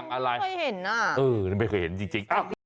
ไม่เคยเห็นอ่ะอืมไม่เคยเห็นจริง